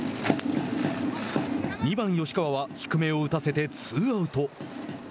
２番吉川は低めを打たせてツーアウト。